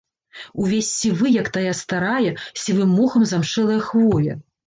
Увесь сівы, як тая старая, сівым мохам замшэлая хвоя.